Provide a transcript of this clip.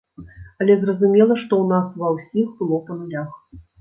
Але зразумела, што ў нас ва ўсіх было па нулях.